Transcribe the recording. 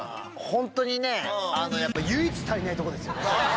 本当にね、やっぱ唯一足りないところですよね。